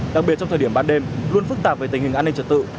đặc biệt trong thời điểm ban đêm luôn phức tạp về tình hình an ninh trật tự